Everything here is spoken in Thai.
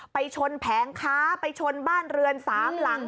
ไปชนแผงค้าไปชนบ้านเรือน๓หลัง